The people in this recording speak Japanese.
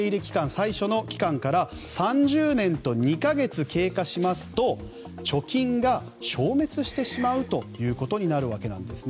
最初の期間から３０年と２か月経過しますと貯金が消滅してしまうということになるんです。